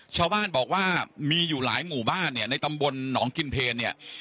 ชาวบ้านบอกว่ามีอยู่หลายหมู่บ้านเนี่ยในตำบลหนองกินเพลเนี่ย